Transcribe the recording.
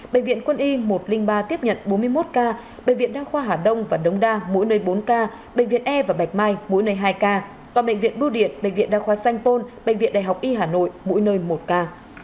bệnh viện quân y một trăm linh ba tiếp nhận bốn mươi một ca bệnh viện đa khoa hà đông và đông đa mỗi nơi bốn ca bệnh viện e và bạch mai mỗi nơi hai ca toàn bệnh viện bưu điện bệnh viện đa khoa sanh pôn bệnh viện đại học y hà nội mỗi nơi một ca